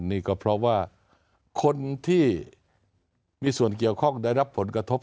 นี่ก็เพราะว่าคนที่มีส่วนเกี่ยวข้องได้รับผลกระทบ